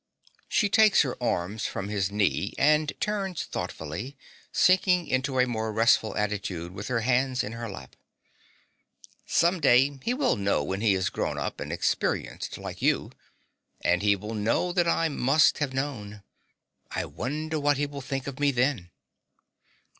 (She takes her arms from his knee, and turns thoughtfully, sinking into a more restful attitude with her hands in her lap.) Some day he will know when he is grown up and experienced, like you. And he will know that I must have known. I wonder what he will think of me then.